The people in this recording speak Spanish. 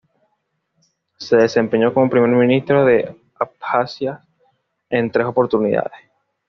Se desempeñó como primer ministro de Abjasia en tres oportunidades.